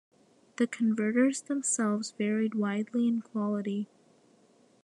The converters themselves varied widely in quality.